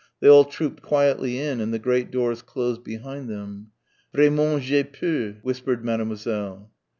They all trooped quietly in and the great doors closed behind them. "Vraiment j'ai peur," whispered Mademoiselle.